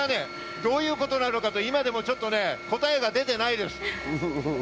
どういうことなのかと今でも答えが出ていないです。